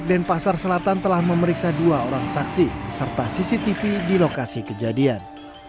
denpasar selatan telah memeriksa dua orang saksi serta cctv di lokasi kejadian